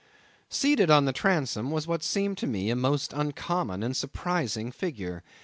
Seated on the transom was what seemed to me a most uncommon and surprising figure.